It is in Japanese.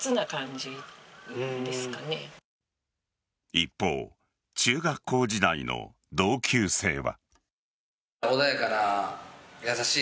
一方、中学校時代の同級生は。